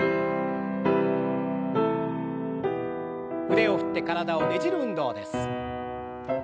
腕を振って体をねじる運動です。